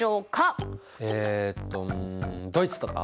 えとうんドイツとか？